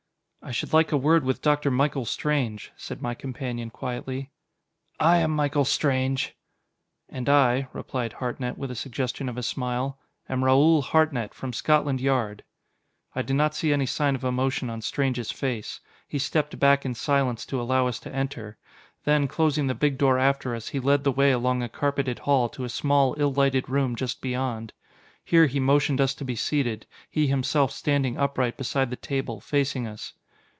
"I should like a word with Dr. Michael Strange," said my companion quietly. "I am Michael Strange." "And I," replied Hartnett, with a suggestion of a smile, "am Raoul Hartnett, from Scotland Yard." I did not see any sign of emotion on Strange's face. He stepped back in silence to allow us to enter. Then closing the big door after us, he led the way along a carpeted hall to a small, ill lighted room just beyond. Here he motioned us to be seated, he himself standing upright beside the table, facing us.